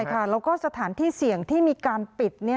แล้วก็สถานที่เสี่ยงที่มีการปิด